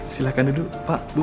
silakan duduk pak bu